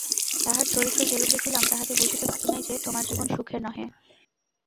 তাঁহার চরিত্র যেরূপ দেখিলাম তাহাতে বুঝিতে বাকি নাই যে, তোমার জীবন সুখের নহে।